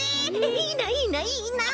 いいないいないいな！